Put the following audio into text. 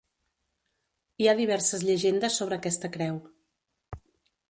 Hi ha diverses llegendes sobre aquesta creu.